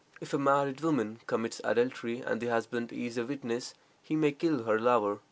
If a married woman commits adultery, and the husband is a witness, he may kill her lover.